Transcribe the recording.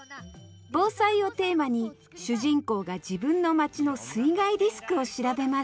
「防災」をテーマに主人公が自分の町の水害リスクを調べます。